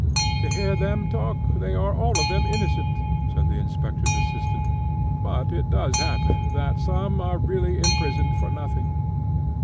To hear them talk they are all of them innocent," said the inspector's assistant. "But it does happen that some are really imprisoned for nothing."